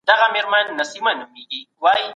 ایا د وریجو پر ځای د غنمو کارول ګټور دي؟